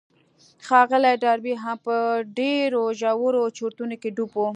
ښاغلی ډاربي هم په ډېرو ژورو چورتونو کې ډوب و.